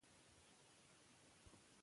سیاسي مشران باید صداقت ولري